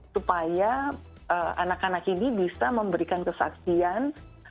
supaya anak anak ini bisa memberikan kesaksian